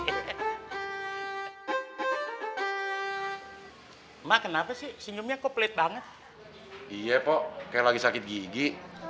emang kenapa sih senyumnya kok pelit banget iya pok kayak lagi sakit gigi